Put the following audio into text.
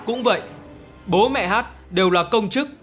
cũng vậy bố mẹ hát đều là công chức